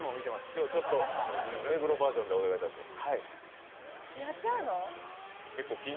今日ちょっと目黒バージョンでお願いします。